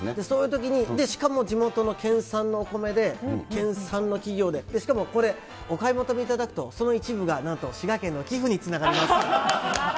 そういうときに、地元の県産のお米で、県産の企業で、しかもこれ、お買い求めいただくと、その一部がなんと滋賀県の寄付につながります。